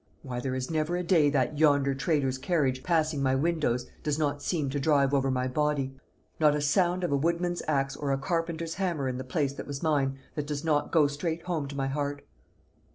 Why, there is never a day that yonder trader's carriage, passing my windows, does not seem to drive over my body; not a sound of a woodman's axe or a carpenter's hammer in the place that was mine, that does not go straight home to my heart!"